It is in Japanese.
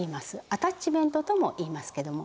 「アタッチメント」ともいいますけども。